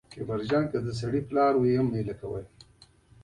علي بابا تاج د اردو او فارسي ژبو شاعر دی